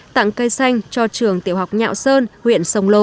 tặng cây xanh cho trường tiểu học nhạo sơn huyện sông lô